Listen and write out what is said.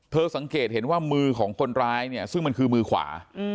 สังเกตเห็นว่ามือของคนร้ายเนี่ยซึ่งมันคือมือขวา